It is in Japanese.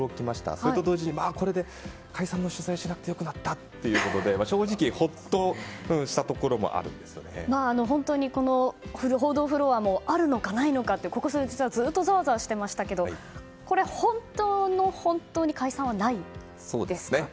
それと同時に、これで解散の取材をしなくてよくなったということで正直ほっとしたところも本当に報道フロアもあるのか、ないのかとここ数日はずっとざわざわしていましたけど本当の本当に解散はないですか？